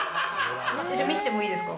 見せてもいいですか？